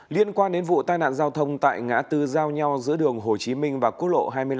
liên quan đến vụ tai nạn giao thông tại ngã tư giao nhau giữa đường hồ chí minh và quốc lộ hai mươi năm